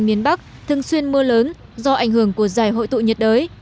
miền bắc thường xuyên mưa lớn do ảnh hưởng của giải hội tụ nhiệt đới